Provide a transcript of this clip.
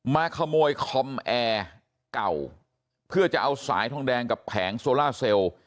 มาขโมยคอมแอร์เก่าเพื่อจะเอาสายทองแดงกับแผงโซล่าเซลล์